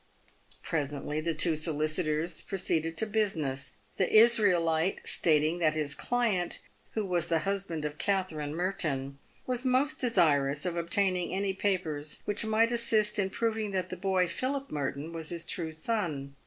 Presently the two solicitors proceeded to business, the Israelite stating that his client, who was the husband of Katherine Merton, was most desirous of obtaining any papers which might assist in proving that the boy Philip Merton was his true son.